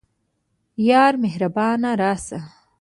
یاره مهربانه راسه